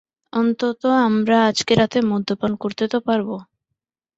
অন্তত্য আমরা আজ রাতে মদ্যপান করতে তো পারব।